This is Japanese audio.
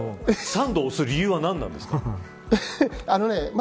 サンドをおす理由は何ですか。